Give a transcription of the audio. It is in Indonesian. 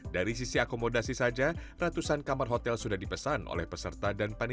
dari sisi akomodasi saja ratusan kamar hotel sudah dipesan oleh peserta dan panitia